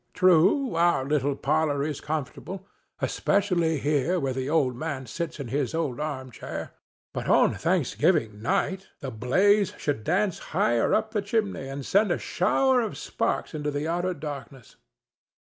True, our little parlor is comfortable, especially here where the old man sits in his old arm chair; but on Thanksgiving night the blaze should dance higher up the chimney and send a shower of sparks into the outer darkness.